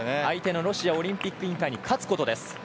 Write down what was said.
相手のロシアオリンピック委員会に勝つことです。